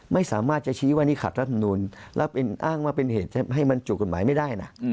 ไม่สามารถจะชี้ว่านี่ขัดรัฐมนูลแล้วอ้างว่าเป็นเหตุให้บรรจุกฎหมายไม่ได้นะ